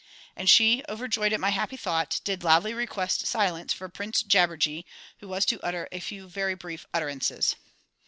And she, overjoyed at my happy thought, did loudly request silence for Prince JABBERJEE, who was to utter a few very brief utterances.